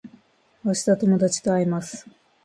明日友達と会います